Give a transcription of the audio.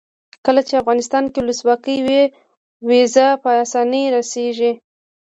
کله چې افغانستان کې ولسواکي وي ویزه په اسانۍ راسیږي.